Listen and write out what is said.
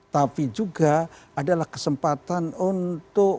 tapi juga adalah kesempatan untuk